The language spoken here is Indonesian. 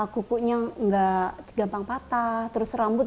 kulit terasa lebih lembut halus dan lembab